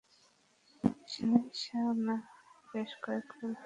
নিশানা বেশ কয়েকবার ভেদ করেছি!